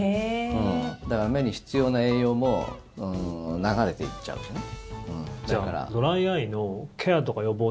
だから、目に必要な栄養も流れていっちゃうんですね。